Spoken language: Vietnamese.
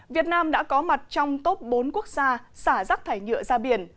việt nam đã có mặt trong top bốn quốc gia xả rác thải nhựa ra biển